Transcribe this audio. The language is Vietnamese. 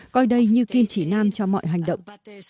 coi đây như kim chỉ nam cho mọi hành động